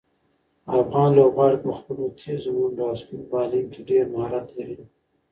افغان لوبغاړي په خپلو تېزو منډو او سپین بالنګ کې ډېر مهارت لري.